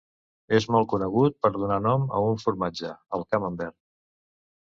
És molt conegut per donar nom a un formatge, el Camembert.